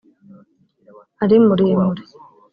ari muremure